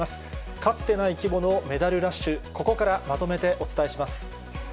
かつてない規模のメダルラッシュ、ここからまとめてお伝えします。